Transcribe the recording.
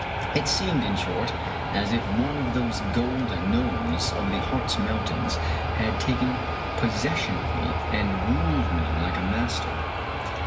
It seemed, in short, as if one of those gold gnomes of the Hartz Mountains had taken possession of me and ruled me like a master.